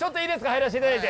入らせていただいて。